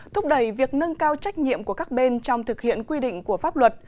thúc đẩy việc nâng cao trách nhiệm của các bên trong thực hiện quy định của pháp luật